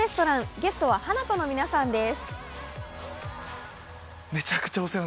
ゲストはハナコの皆さんです。